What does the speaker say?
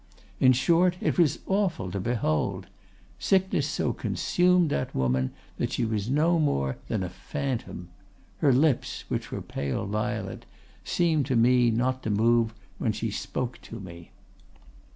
In short, it was awful to behold! Sickness so consumed that woman, that she was no more than a phantom. Her lips, which were pale violet, seemed to me not to move when she spoke to me.